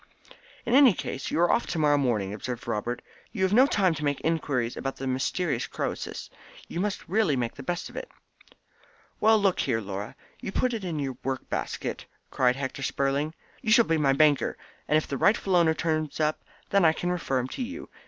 "In any case you are off to morrow morning," observed Robert. "You have no time to make inquiries about the mysterious Croesus. You must really make the best of it." "Well, look here, Laura, you put it in your work basket," cried Hector Spurling. "You shall be my banker, and if the rightful owner turns up then I can refer him to you.